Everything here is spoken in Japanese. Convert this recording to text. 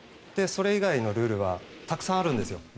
それ以外のルールはたくさんあるんですよ。